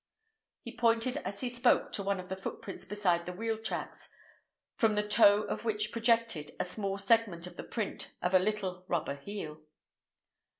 He pointed as he spoke to one of the footprints beside the wheel tracks, from the toe of which projected a small segment of the print of a little rubber heel.